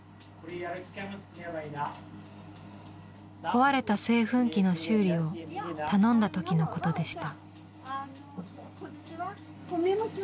壊れた製粉機の修理を頼んだ時のことでした。